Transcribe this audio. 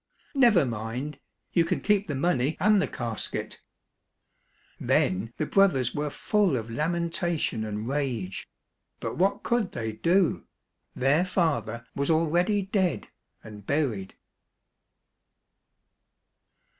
Never mind, you can keep the money and the casket !" Then the brothers were full of lamentation and rage. But what could they do ? Their father was already dead and buried.